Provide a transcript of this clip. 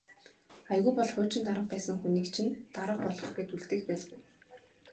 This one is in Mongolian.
Аягүй бол хуучин дарга байсан хүнийг чинь дарга болгох гээд үлдээх байлгүй.